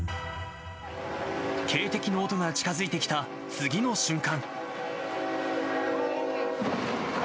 警笛の音が近づいてきた次の瞬間。